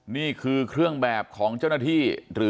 นี่คือเครื่องแบบของเจ้าหน้าที่หรือ